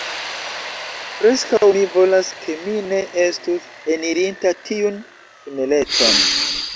Preskaŭ mi volas ke mi ne estus enirinta tiun tuneleton.